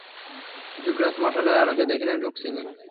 যুবরাজ মশালের আলোকে দেখিলেন, রুক্মিণী।